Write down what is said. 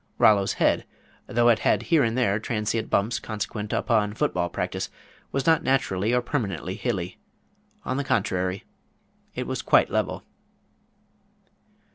Rollo's head, though it had here and there transient bumps consequent upon foot ball practice, was not naturally or permanently hilly. On the contrary, it was quite level.